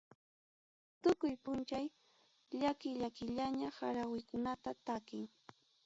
Tukuy punchaw llaki llakillaña harawikunata takin.